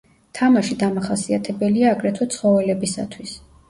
თამაში დამახასიათებელია აგრეთვე ცხოველებისათვის.